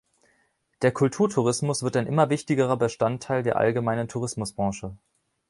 Der Kulturtourismus wird ein immer wichtigerer Bestandteil der allgemeinen Tourismusbranche.